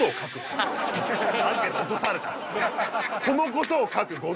このことを書く。